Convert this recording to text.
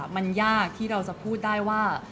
มันยากที่เราจะพูดได้ว่า